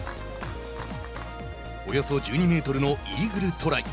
およそ１２メートルのイーグルトライ。